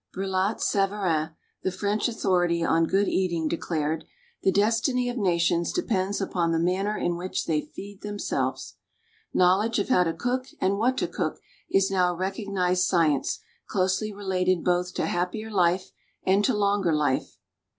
Brilhit Savarin, the French authority on good eating, declared: "The destiny of nations de pends upon the manner in which they feed Ihenisehes." Knowledge of how to cook and what to cook is now a recognized science close ly related both to happier life and to longer life.